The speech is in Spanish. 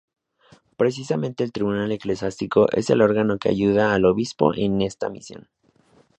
Precisamente el Tribunal Eclesiástico es el órgano que ayuda al Obispo en esta misión.